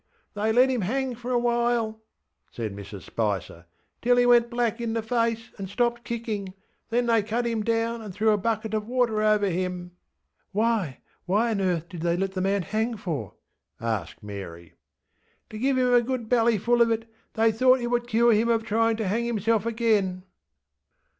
ŌĆśThey let him hang for a while, ŌĆÖ said Mrs Spicer, ŌĆśtill he went black in the face and stopped kicking. Then they cut him down and threw a bucket of water over him. ŌĆÖ ŌĆśWhy! what on earth did they let the man hang for? ŌĆÖ asked Mary. ŌĆśTo give him a good bellyful of it: they thought it would cure him of tryinŌĆÖ to hang himself again.